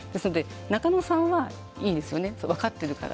中野さんはいいですよね分かっているから。